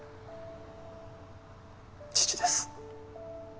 父です。